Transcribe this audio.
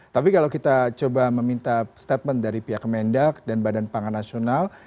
tapi kalau kita coba meminta statement dari pihak kemendak dan badan pangan nasional